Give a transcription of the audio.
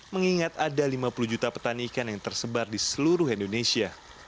mengingat ada lima puluh juta petani ikan yang tersebar di seluruh indonesia